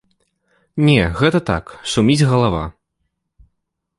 Не, гэта так, шуміць галава.